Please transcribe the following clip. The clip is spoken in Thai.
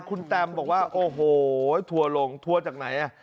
คุณแตมบอกว่าโอ้โหทัวร์ลงทัวร์จากไหนอ่ะ